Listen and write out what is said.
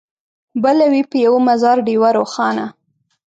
بله وي په یوه مزار ډېوه روښانه